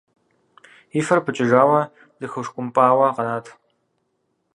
И фэр пыкӏыжауэ, зэхэушкӏумпӏауэ къэнат.